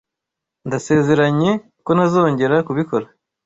Ndasezeranye ko ntazongera kubikora.